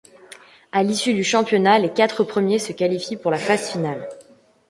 À l'issue du championnat, les quatre premiers se qualifient pour la phase finale.